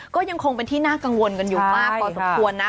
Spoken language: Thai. ก็ยังคงเป็นที่น่ากังวลกันอยู่มากพอสมควรนะ